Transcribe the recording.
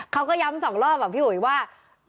เขาก็ย้ำสองรอบอ่ะพี่อุ๋ยว่า